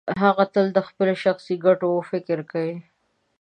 هغه تل د خپلو شخصي ګټو فکر کوي.